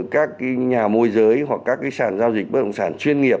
các nhà môi giới hoặc các sàn giao dịch bất động sản chuyên nghiệp